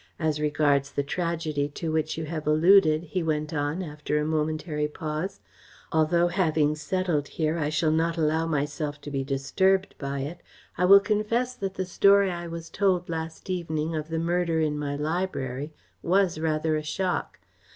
As regards the tragedy to which you have alluded," he went on, after a momentary pause, "although having settled here I shall not allow myself to be disturbed by it, I will confess that the story I was told last evening of the murder in my library was rather a shock.